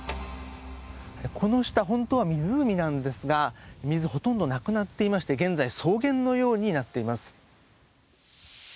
この下本当は湖なんですが水、ほとんどなくなっていまして現在、草原のようになっています。